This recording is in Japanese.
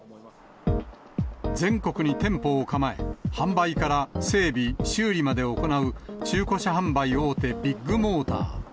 全国に店舗を構え、販売から整備・修理まで行う中古車販売大手、ビッグモーター。